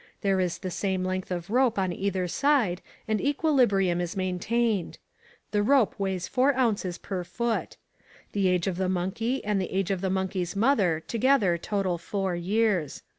There is the same length of rope on either side and equilibrium is maintained. The rope weighs four ounces per foot. The age of the monkey and the age of the monkey's mother together total four years.